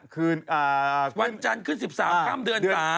คืนวันจันทร์ขึ้น๑๓ข้ามเดือน๓